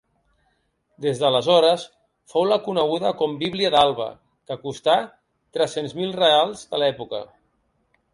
Des d'aleshores, fou la coneguda com Bíblia d'Alba, que costà tres-cents mil reals de l'època.